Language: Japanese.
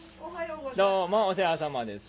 どうもお世話さまです。